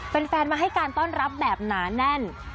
แฟนมาให้การต้อนรับแบบหนาแน่น